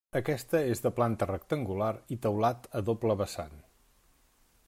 Aquesta és de planta rectangular i teulat a doble vessant.